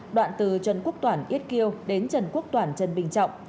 đoạn từ trần quốc toản yết kiêu đến trần quốc toản trần bình trọng